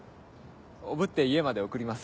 おぶって家まで送ります。